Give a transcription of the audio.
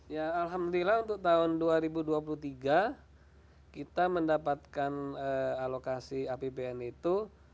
ya alhamdulillah untuk tahun dua ribu dua puluh tiga kita mendapatkan alokasi apbn itu